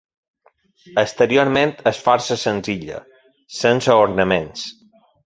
Exteriorment és força senzilla, sense ornaments.